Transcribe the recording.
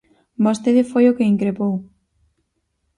Vostede foi o que increpou.